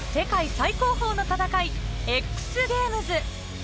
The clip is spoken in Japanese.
最高峰の戦い、ＸＧａｍｅｓ。